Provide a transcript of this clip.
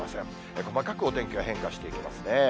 細かくお天気が変化していきますね。